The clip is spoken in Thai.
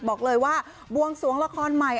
บอกเลยว่าบวงสวงละครใหม่